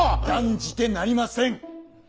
断じてなりません！